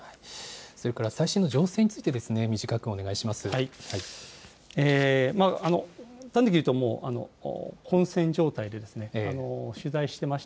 それから最新の情勢について、短くお願いします。